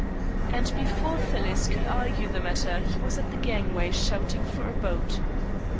And before Phyllis could argue the matter he was at the gangway shouting for a boat.